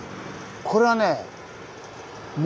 これはね